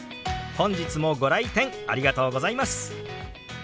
本日もご来店ありがとうございます。